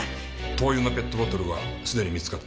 灯油のペットボトルはすでに見つかっている。